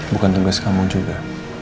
bukan tugas kamu juga